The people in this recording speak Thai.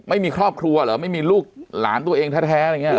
ไม่มีครอบครัวเหรอไม่มีลูกหลานตัวเองแท้อะไรอย่างนี้ห